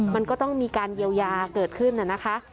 มันก็ต้องมีการเยียวยาเกิดขึ้นนะคะ